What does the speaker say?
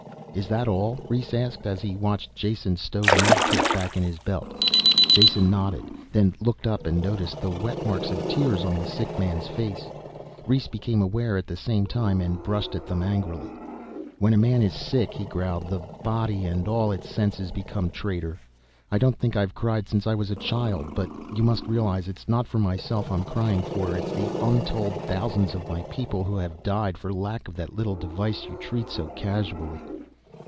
"Is that all?" Rhes asked, as he watched Jason stow the medikit back in his belt. Jason nodded, then looked up and noticed the wet marks of tears on the sick man's face. Rhes became aware at the same time and brushed at them angrily. "When a man is sick," he growled, "the body and all its senses become traitor. I don't think I have cried since I was a child but you must realize it's not myself I'm crying for. It's the untold thousands of my people who have died for lack of that little device you treat so casually."